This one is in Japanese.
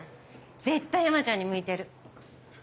絶対山ちゃんに向いてる。